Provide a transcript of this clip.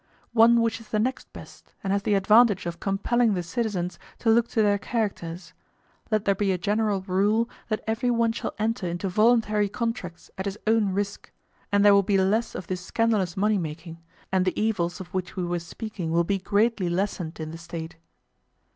One which is the next best, and has the advantage of compelling the citizens to look to their characters:—Let there be a general rule that every one shall enter into voluntary contracts at his own risk, and there will be less of this scandalous money making, and the evils of which we were speaking will be greatly lessened in the State.